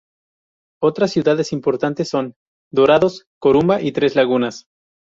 Otras ciudades importantes son: Dorados, Corumbá y Tres Lagunas.